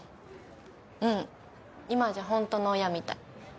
うん今じゃホントの親みたい。